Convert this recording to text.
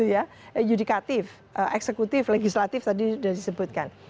yudikatif eksekutif legislatif tadi sudah disebutkan